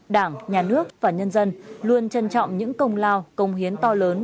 đảng nhà nước và nhân dân luôn trân trọng những công lao công hiến to lớn